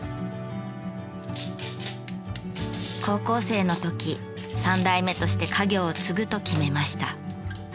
高校生の時３代目として家業を継ぐと決めました。